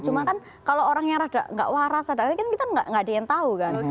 cuma kan kalau orang yang rada enggak waras rada enggak waras kan kita enggak ada yang tahu kan